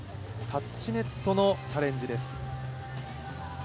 タッチネットのチャレンジです。